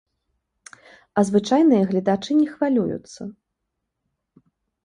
А звычайныя гледачы не хвалююцца.